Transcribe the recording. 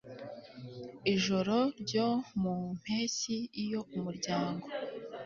Ijoro ryo mu mpeshyi iyo umuryango